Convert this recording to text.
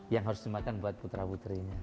yang harus dimakan buat putra putrinya